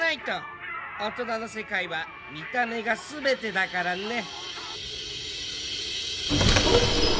大人の世界は見た目が全てだからね。